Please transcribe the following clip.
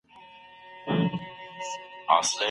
په اصل کي د طلاق واک له چا سره دی؟